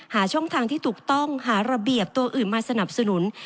ช่องทางที่ถูกต้องหาระเบียบตัวอื่นมาสนับสนุน